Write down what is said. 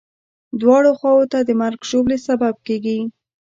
دواړو خواوو ته د مرګ ژوبلې سبب کېږي.